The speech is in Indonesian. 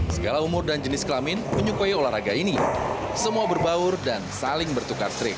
segala umur dan jenis kelamin menyukai olahraga ini semua berbaur dan saling bertukar trik